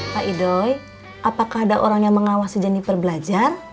pak idoy apakah ada orang yang mengawasi jeniper belajar